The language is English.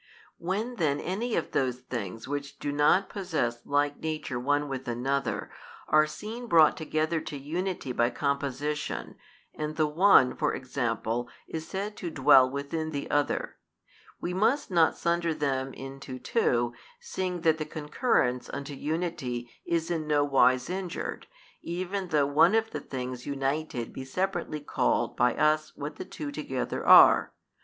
When then any of those things which do not possess like nature one with another, are seen brought together to unity by composition, and the one (for example) is said to dwell within the other; we must not sunder them into two, seeing that the concurrence unto unity is in no wise injured, even though one of the things united be separately called by us what the two together are.